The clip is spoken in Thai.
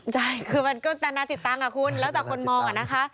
ใช่คือมันก็แต่นาจิตตังค่ะคุณแล้วแต่คนมอง